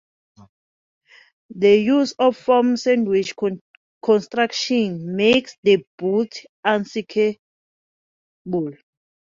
The use of foam sandwich construction makes the boat unsinkable.